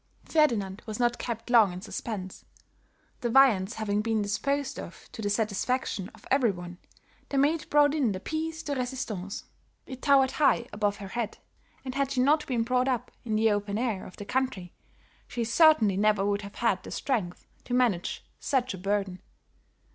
Ferdinand was not kept long in suspense. The viands having been disposed of to the satisfaction of every one, the maid brought in the "pièce de resistance." It towered high above her head, and had she not been brought up in the open air of the country she certainly never would have had the strength to manage such a burden.